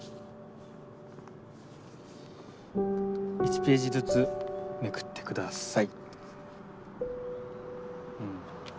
「１ページずつめくってください」。